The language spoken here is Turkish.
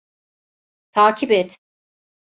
Takip et!